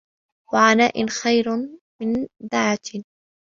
وَعَنَاءٍ خَيْرٍ مِنْ دَعَةٍ